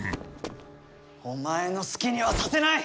「お前のすきにはさせない！